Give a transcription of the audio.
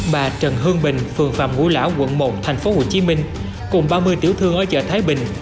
bà trần hương bình phường phạm ngũ lão quận một thành phố hồ chí minh cùng ba mươi tiểu thương ở chợ thái bình